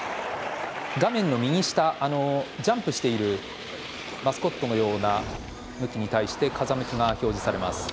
画面の右下、ジャンプしているマスコットのような向きに対して風向きが表示されます。